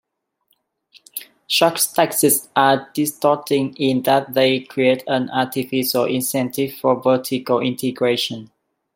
Such taxes are distorting in that they create an artificial incentive for vertical integration.